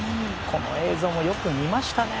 この映像もよく見ましたね。